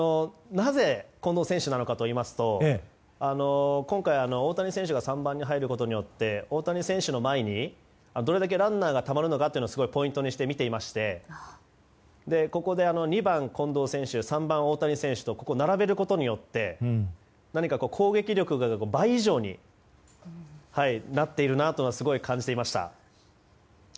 なぜ近藤選手なのかといいますと今回、大谷選手が３番に入ることによって大谷選手の前にどれだけランナーがたまるのかをすごいポイントにして見ていましてここで２番、近藤選手３番、大谷選手と並べることによって何か攻撃力が倍以上になっているなとすごい感じていました。